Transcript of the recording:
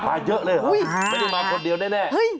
เยอะเลยเหรอไม่ได้มาคนเดียวแน่